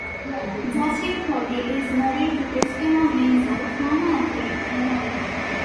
Justin Pogge is married to Christina Heinzel, former athlete and model.